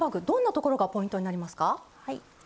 どんなところがポイントになりますか？